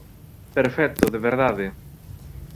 ¡Perfecto, de verdade!